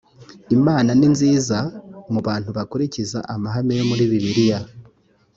imana ni nziza mu bantu bakurikiza amahame yo muri bibiliya